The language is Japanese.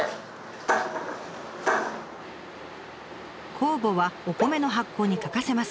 酵母はお米の発酵に欠かせません。